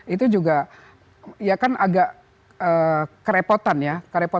itu juga ya kan agak kerepotan ya